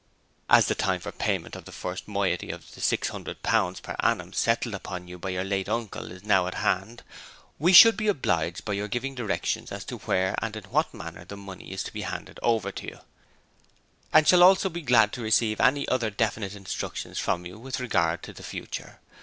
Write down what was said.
As the time for payment of the first moiety of the six hundred pounds per annum settled on you by your late uncle is now at hand, we should be obliged by your giving directions as to where and in what manner the money is to be handed over to you, and shall also be glad to receive any other definite instructions from you with regard to the future.